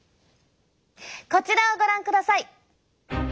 こちらをご覧ください！